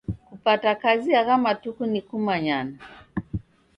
Kupata kazi agha matuku ni kumanyana.